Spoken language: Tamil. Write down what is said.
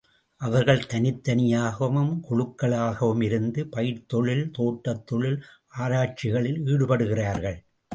அவர்கள் தனித்தனியாகவும், குழுக்களாகவும் இருந்து, பயிர்த்தொழில், தோட்டத் தொழில் ஆராய்ச்சிகளில் ஈடுபடுகிறார்கள்.